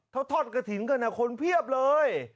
เขาทอดกระถิ่นกันคนเพียบเลย